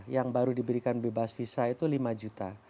yang baru diberikan bebas visa itu lima juta